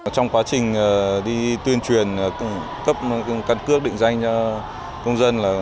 trong quá trình đi tuyên truyền cấp căn cước định danh cho công dân